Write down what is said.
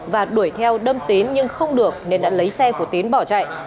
và đuổi theo đâm tín nhưng không được nên đã lấy xe của tín bỏ chạy